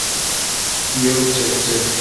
یو چکچک